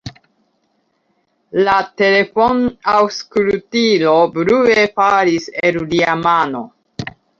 La telefonaŭskultilo brue falis el lia mano.